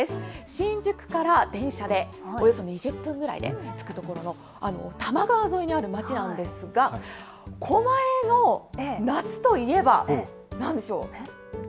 新宿から電車でおよそ２０分ぐらいで着くところの、多摩川沿いにある町なんですが、狛江の夏といえば、なんでしょう。